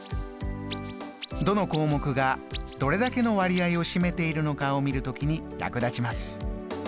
どの項目がどれだけの割合を占めているのかを見る時に役立ちます。